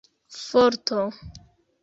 forto